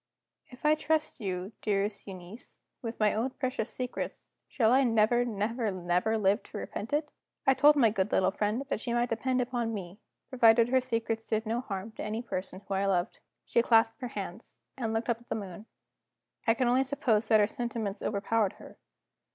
"If I trust you, dearest Euneece, with my own precious secrets, shall I never, never, never live to repent it?" I told my good little friend that she might depend on me, provided her secrets did no harm to any person whom I loved. She clasped her hands and looked up at the moon I can only suppose that her sentiments overpowered her.